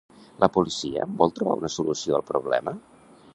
La policia vol trobar una solució al problema?